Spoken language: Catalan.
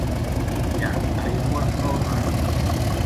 Tirar aigua al mar.